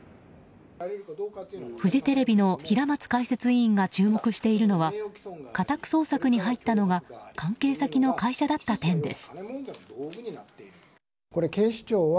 フジテレビの平松解説委員が注目しているのは家宅捜索に入ったのが関係先の会社だった点です。